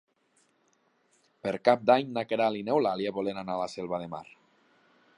Per Cap d'Any na Queralt i n'Eulàlia volen anar a la Selva de Mar.